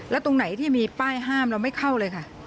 แล้วตรงไหนที่มีป้ายห้ามเราไม่เข้าเลยค่ะ